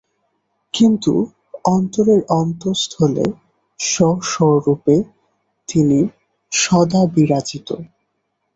কিন্তু অন্তরের অন্তস্তলে স্ব-স্বরূপে তিনি সদা বিরাজিত।